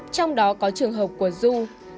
trong đó có trường hợp của du